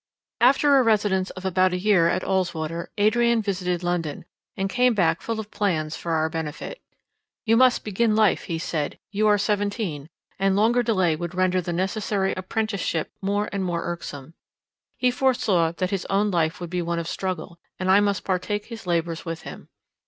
After a residence of about a year at Ulswater, Adrian visited London, and came back full of plans for our benefit. You must begin life, he said: you are seventeen, and longer delay would render the necessary apprenticeship more and more irksome. He foresaw that his own life would be one of struggle, and I must partake his labours with him.